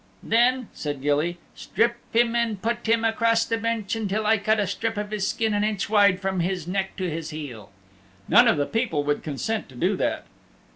"Then," said Gilly, "strip him and put him across the bench until I cut a strip of his skin an inch wide from his neck to his heel." None of the people would consent to do that.